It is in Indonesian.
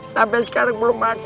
sampai sekarang belum makan nak